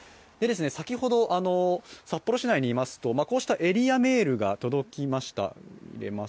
先ほど札幌市内にいますと、こうしたエリアメールが届きました。